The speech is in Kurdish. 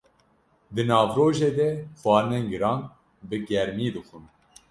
Di navrojê de xwarinên giran, bi germî dixwin.